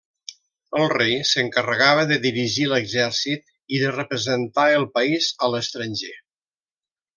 El rei s'encarregava de dirigir l'exèrcit i de representar el país a l'estranger.